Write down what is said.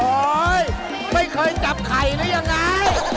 ไม่เคยจับไข่หรือยังไง